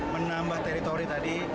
menambah teritori tadi